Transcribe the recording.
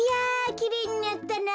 きれいになったな。